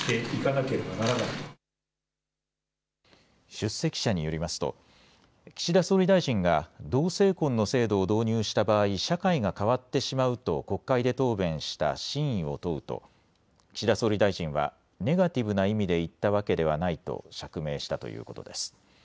出席者によりますと、岸田総理大臣が、同性婚の制度を導入した場合、社会が変わってしまうと国会で答弁した真意を問うと、岸田総理大臣は、ネガティブな意味で言ったわけではないと、釈明したということです。